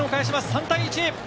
３対１。